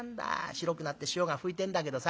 白くなって塩がふいてんだけどさ。